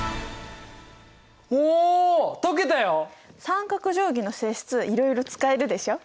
三角定規の性質いろいろ使えるでしょ？